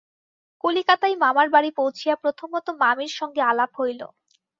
কলিকাতায় মামার বাড়ি পৌঁছিয়া প্রথমত মামির সঙ্গে আলাপ হইল।